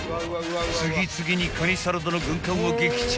［次々にかにサラダの軍艦を撃沈］